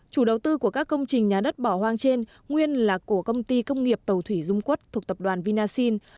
chủ đầu tư của các công trình nhà đất bỏ hoang trên nguyên là của công ty công nghiệp tàu thủy dung quất thuộc tập đoàn vinasin